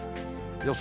予想